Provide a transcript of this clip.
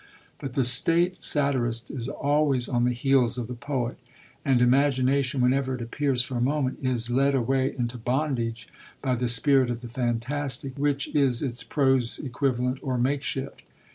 But the 'state satirist' is always on the heels of the poet; and imagination, whenever it appears for a moment, is led away into bondage by the spirit of the fantastic, which is its prose equivalent or makeshift.